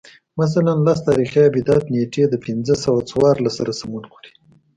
مثلاً لس تاریخي آبدات نېټې د پنځه سوه څوارلس سره سمون خوري